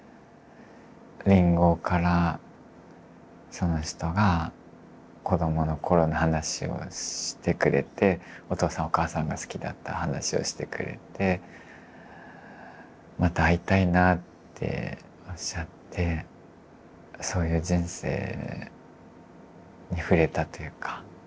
りんごからその人が子どもの頃の話をしてくれてお父さんお母さんが好きだった話をしてくれてまた会いたいなっておっしゃってそういう人生に触れたというか。